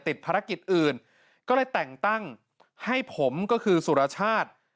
ติดภารกิจอื่นก็เลยแต่งตั้งให้ผมก็คือสุรชาติ